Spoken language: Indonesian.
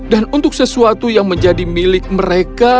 dan untuk sesuatu yang menjadi milik mereka